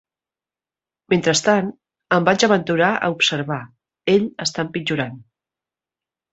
"Mentrestant", em vaig aventurar a observar, "ell està empitjorant".